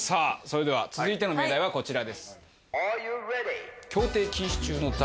それでは続いての命題はこちらです